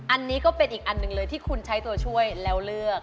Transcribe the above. อันนี้ก็เป็นอีกอันหนึ่งเลยที่คุณใช้ตัวช่วยแล้วเลือก